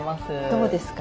どうですか？